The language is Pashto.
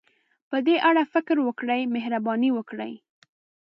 په دې اړه فکر وکړئ، مهرباني وکړئ.